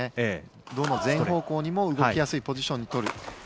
どの全方向にも動きやすいポジションを取る。